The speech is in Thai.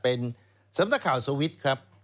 เป็นสำนักข่าวสวิตช์ครับ